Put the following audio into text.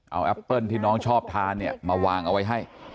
เอาแอปเปิ้ลที่น้องชอบทานเนี่ยมาวางเอาไว้ให้